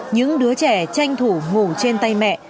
những đứa trẻ tranh thủ ngủ trên tay mẹ